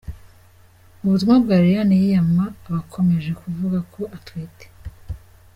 Ubutumwa bwa Lilian yiyama abakomeje kuvuga ko atwite.